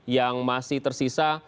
yang masih tersisa